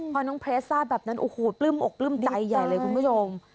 พอน้องเพลสทราบแบบนั้นโอ้โหปลื้มอกปลื้มใจใหญ่เลยคุณผู้ชม